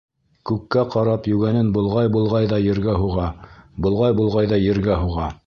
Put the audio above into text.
Күккә ҡарап йүгәнен болғай-болғай ҙа ергә һуға, болғай-болғай ҙа ергә һуға.